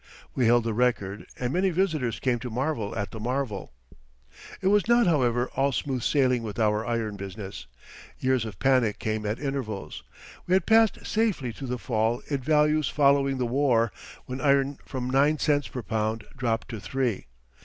We held the record and many visitors came to marvel at the marvel. It was not, however, all smooth sailing with our iron business. Years of panic came at intervals. We had passed safely through the fall in values following the war, when iron from nine cents per pound dropped to three.